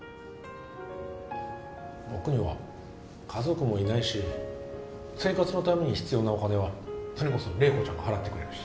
僕には家族もいないし生活のために必要なお金はそれこそ麗子ちゃんが払ってくれるし。